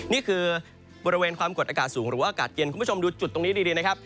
นี่คือบริเวณความกดอากาศสูงหรือว่าอากาศเย็นคุณผู้ชมดูจุดตรงนี้ดีนะครับ